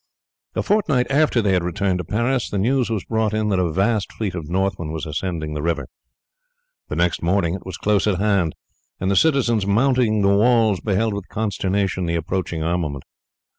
A fortnight after they had returned to Paris the news was brought in that a vast fleet of Northmen was ascending the river. The next morning it was close at hand, and the citizens mounting the walls beheld with consternation the approaching armament.